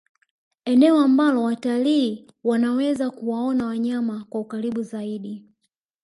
eneo ambalo watalii wanaweza kuwaona wanyama kwa ukaribu zaidi